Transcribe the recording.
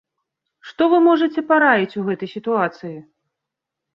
Што вы можаце параіць у гэтай сітуацыі?